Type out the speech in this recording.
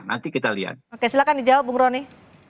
nanti kita lihat oke silahkan dijawab bung roni